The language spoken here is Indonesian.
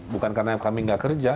bukan karena kami nggak kerja